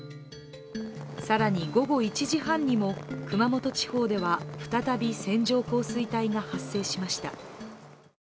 更に、午後１時半にも熊本地方では再び線状降水帯が発生しました。